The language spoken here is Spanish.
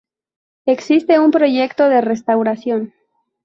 Existe un proyecto de restauración.